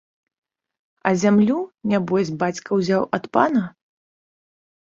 А зямлю, нябось, бацька ўзяў ад пана?